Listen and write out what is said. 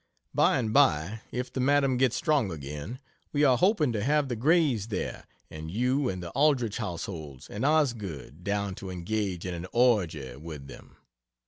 By and by, if the madam gets strong again, we are hoping to have the Grays there, and you and the Aldrich households, and Osgood, down to engage in an orgy with them.